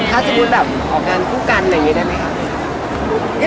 ถ้าจะพูดแบบออกงานผู้กันอย่างนี้ได้มั้ยคะ